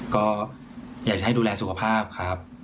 ก็อยากจะให้ดูแลสุขภาพครับ